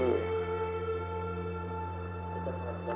kamu dekat dengan anak motor